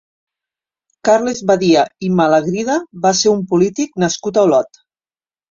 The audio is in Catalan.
Carles Badia i Malagrida va ser un polític nascut a Olot.